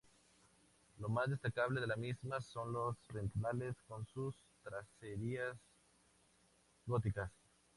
Lo más destacable dela misma son los ventanales con sus tracerías góticas.